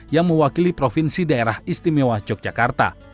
yang mewakili provinsi daerah istimewa yogyakarta